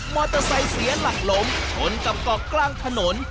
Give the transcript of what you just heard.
เตอร์ไซค์เสียหลักล้มชนกับเกาะกลางถนน